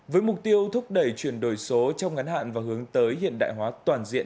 với mục tiêu thúc đẩy chuyển đổi số trong ngắn hạn và hướng tới hiện đại hóa toàn diện